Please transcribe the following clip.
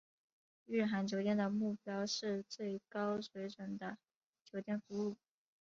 日航酒店的目标是最高水准的酒店服务。